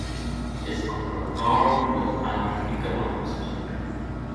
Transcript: His uncle Karl was an economist.